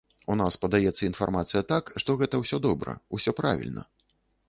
У нас падаецца інфармацыя так, што гэта ўсё добра, усё правільна.